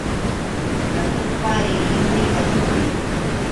Atuqpa rinrin hatunmi